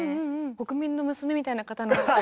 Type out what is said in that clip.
国民の娘みたいな方なので。